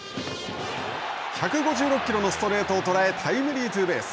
１５６キロのストレートを捉えタイムリーツーベース。